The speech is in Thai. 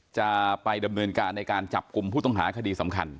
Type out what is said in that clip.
จะไปดำเนินการในการจับกลุ่มผู้ต้องหาคดีสำคัญ